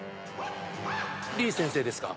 リー先生ですか？